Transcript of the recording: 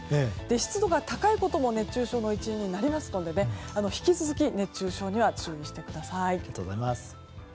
湿度が高いことも熱中症の一因になりますので引き続き、熱中症には注意してください。